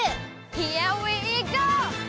ヒアウィーゴー！